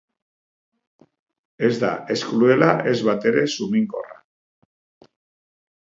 Ez da ez krudela ez batere suminkorra.